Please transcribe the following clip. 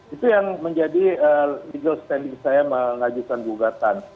itu yang menjadi legal standing saya mengajukan gugatan